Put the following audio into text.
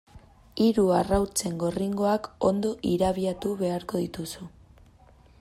Hiru arrautzen gorringoak ondo irabiatu beharko dituzu.